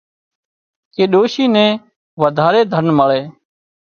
ڪي ڏوشي نين وڌاري ڌن مۯي